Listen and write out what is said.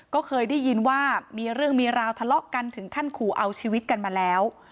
ก็เคยได้ยินว่ามีเรื่องมีราวทะเลาะกันถึงขั้นขู่เอาชีวิตกันมาแล้ว